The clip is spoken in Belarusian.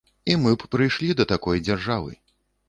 І мы б прыйшлі да такой дзяржавы.